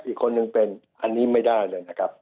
อีกคนนึงเป็นอันนี้ไม่ได้เลยนะครับ